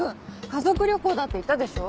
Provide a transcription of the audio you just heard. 家族旅行だって言ったでしょ。